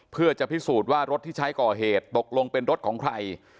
เพื่อจะพิสูจน์ว่ารถที่ใช้ก่อเหตุตกลงเป็นรถของใคร